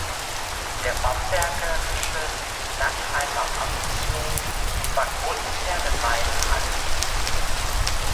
Der bambergische Langheimer Amtshof war Grundherr der beiden Anwesen.